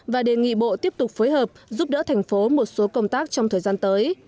và đề nghị bộ tiếp tục phối hợp giúp đỡ thành phố một số công tác trong thời gian tới